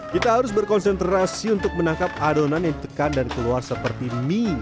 kita harus berkonsentrasi untuk menangkap adonan yang ditekan dan keluar seperti mie